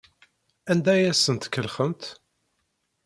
Anda ay asent-tkellxemt?